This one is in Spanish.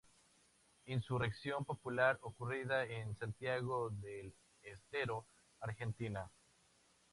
Insurrección popular ocurrida en Santiago del Estero, Argentina.